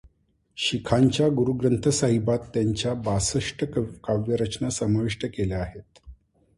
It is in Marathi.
शिखांच्या गुरू ग्रंथसाहिबात त्यांच्या बासष्ट काव्यरचना समाविष्ट आहेत.